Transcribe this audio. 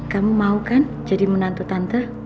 kamu mau kan jadi menantu tante